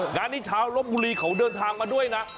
งานนี้ชาวลบบุรีเขาเดินทางมาด้วยนะ